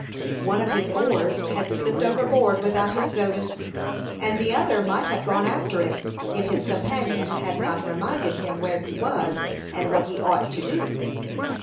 One of his oars had slipped overboard without his notice, and the other might have gone after it, if his companion had not reminded him where he was, and what he ought to do.